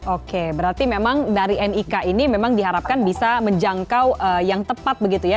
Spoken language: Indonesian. oke berarti memang dari nik ini memang diharapkan bisa menjangkau yang tepat begitu ya